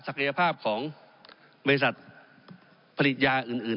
ยภาพของบริษัทผลิตยาอื่น